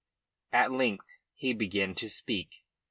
At length he began to speak.